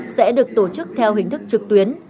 sẽ được tổ chức theo hình thức trực tuyến